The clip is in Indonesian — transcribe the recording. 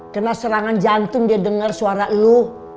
kena serangan jantung dia denger suara lo